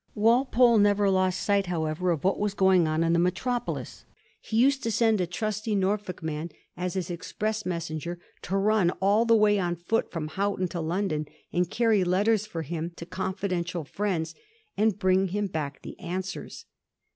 Walpole never lost sight, however, of what was going on in the metropolis. He used to send a trusty Norfolk man as his express messenger to run all the way on foot from Houghton to London, and carry letters for him to confidential firiends, and bring him back the answers.